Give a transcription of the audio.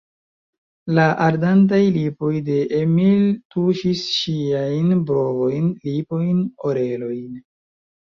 La ardantaj lipoj de Emil tuŝis ŝiajn brovojn, lipojn, orelojn.